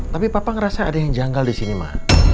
tapi papa ngerasa ada yang janggal disini ma